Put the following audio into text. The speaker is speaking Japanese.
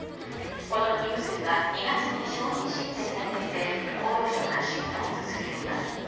この飲み薬は２月に承認申請されていて厚労省が審査を続けています。